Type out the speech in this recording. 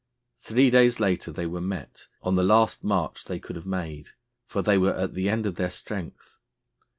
Three days later they were met on the last march they could have made, for they were at the end of their strength.